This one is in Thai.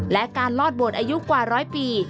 และการลอดโบสถอายุกว่าร้อยปี